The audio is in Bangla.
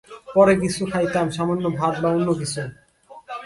পরে কিছু খাইতাম, সামান্য ভাত বা অন্য কিছু।